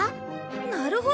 なるほど！